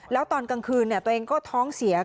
แล้วตอนกลางคืนตัวเองก็ท้องเสีย